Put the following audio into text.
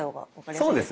そうですね。